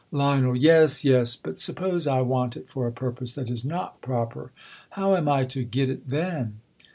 Lion. Yes, yes ; but suppose I want it for a pur pose that is not proper, how am I to get it then